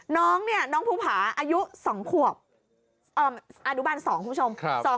น้องเนี่ยน้องภูผาอายุ๒ขวบอนุบัน๒คุณผู้ชม